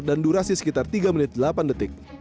dan durasi sekitar tiga menit delapan detik